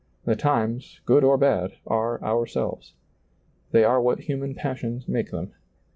The times, good or bad, are ourselves. They are what human passions make them.